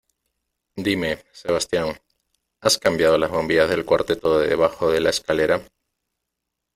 Dime, Sebastián, ¿has cambiado las bombillas del cuarteto de debajo de la escalera?